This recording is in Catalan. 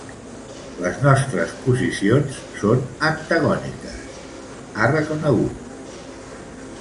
Les nostres posicions són antagòniques, ha reconegut.